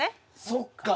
そっか。